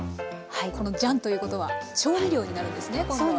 このジャンということは調味料になるんですね今度は。